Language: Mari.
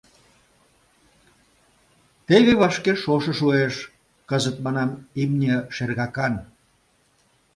Теве вашке шошо шуэш, кызыт, манам, имне шергакан.